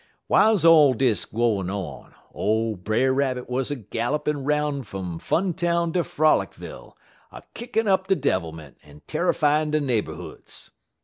"Wiles all dis gwine on, ole Brer Rabbit wuz a gallopin' 'roun' fum Funtown ter Frolicville, a kickin' up de devilment en terrifyin' de neighborhoods.